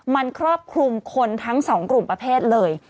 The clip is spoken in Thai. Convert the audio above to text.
มันครอบคลุมคนทั้งสองกลุ่มประเภทเลย